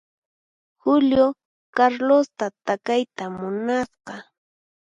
Julio Carlosta takayta munasqa.